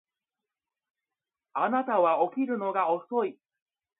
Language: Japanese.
あなたは起きるのが遅い